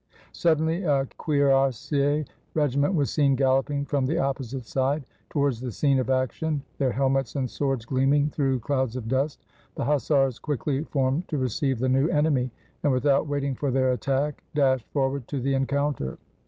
Suddenly a cuirassier regiment was seen galloping from the opposite side, towards the scene of action, their helmets and swords gleaming through clouds of dust. The hussars quickly formed to receive the new enemy, and, without waiting for their attack, dashed forward to the encounter.